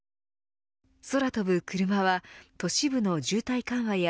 空飛ぶクルマは都市部の渋滞緩和や